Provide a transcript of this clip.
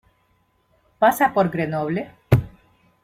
Pasa por Grenoble.